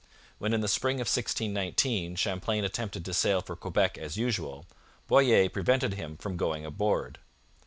When in the spring of 1619 Champlain attempted to sail for Quebec as usual, Boyer prevented him from going aboard.